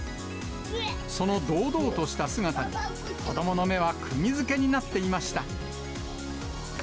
その堂々とした姿に、子どもの目はくぎづけになっていました。